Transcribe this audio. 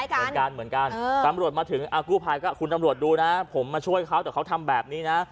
เหมือนกันเหมือนกันตำรวจมาถึงกู้ภัยก็คุณตำรวจดูนะผมมาช่วยเขาแต่เขาทำแบบนี้นะ